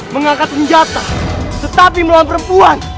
mengangkat senjata tetapi melawan perempuan